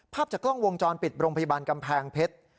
ภาพจากกล้องวงจรปิดโรงพยาบาลกำแพงเพชร